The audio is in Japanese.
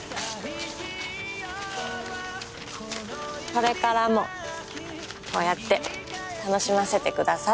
これからもこうやって楽しませてください。